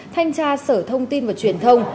thanh tra sở thông tin và truyền thông